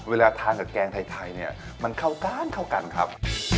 เวลาทานกับแกงไทยเนี่ยมันเข้ากันเข้ากันครับ